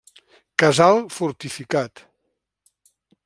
Casal fortificat.